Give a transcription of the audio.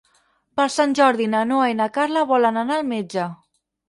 Per Sant Jordi na Noa i na Carla volen anar al metge.